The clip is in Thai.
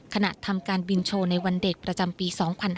ขณะทำการบินโชว์ในวันเด็กประจำปี๒๕๕๙